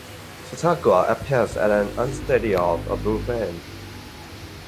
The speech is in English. Fthaggua appears as an unsteady orb of blue flame.